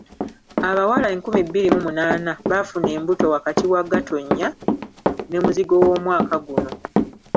Abawala enkumi bbiri mu munaana baafuna embuto wakati wa Gatonnya ne Muzigo w'omwaka guno.